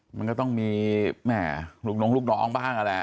มันก็ต้องมีแม่ลูกน้องลูกน้องบ้างนั่นแหละ